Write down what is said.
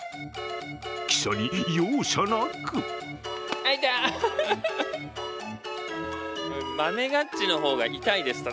記者に容赦なくあ、いた！